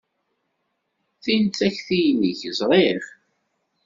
Tin d takti-nnek. Ẓriɣ.